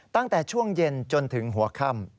ตั้งแต่ช่วงเย็นจนถึงหัวค่ำ